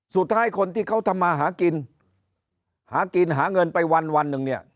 สุดท้ายคนที่เขาทำมาหากินหากินหาเงินไปวันวันหนึ่งเนี่ย